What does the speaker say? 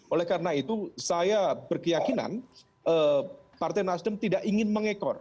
oleh karena itu saya berkeyakinan partai nasdem tidak ingin mengekor